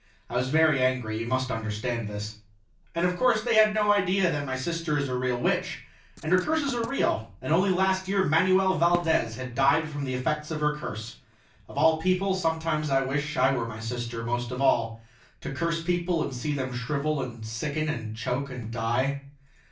I was very angry, you must understand this. And of course they had no idea that my sister is a real witch, and her curses are real, and only last year Manuel Valdez had died from the effects of her curse. Of all people, sometimes I wish I were my sister most of all, to curse people and see them shrivel and sicken and choke and die.